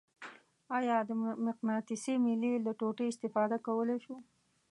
آیا د مقناطیسي میلې له ټوټې استفاده کولی شو؟